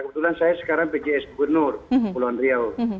kebetulan saya sekarang pjs benur pulau andriau